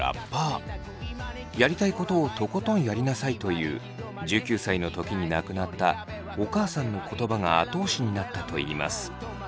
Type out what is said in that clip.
やりたいことをとことんやりなさいという１９歳の時に亡くなったお母さんの言葉が後押しになったと言います。